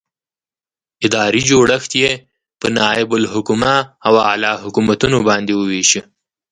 ادارې جوړښت یې په نائب الحکومه او اعلي حکومتونو باندې وویشه.